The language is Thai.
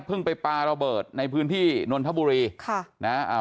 ไปปลาระเบิดในพื้นที่นนทบุรีค่ะนะฮะอ่า